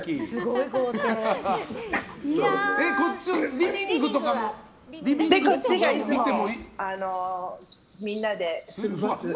リビングとかは見ても？